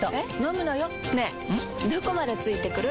どこまで付いてくる？